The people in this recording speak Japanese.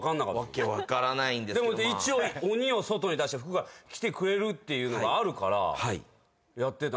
でも一応鬼を外へ出して福が来てくれるっていうのがあるからやってたんすけど。